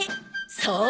そう。